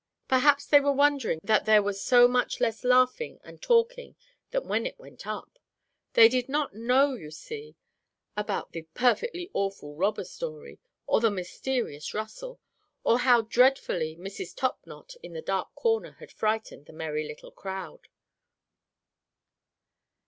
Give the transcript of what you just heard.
Perhaps they were wondering that there was so much less laughing and talking than when it went up. They did not know, you see, about the "perfectly awful" robber story, or the mysterious rustle, or how dreadfully Mrs. Top knot in the dark corner had frightened the merry little crowd.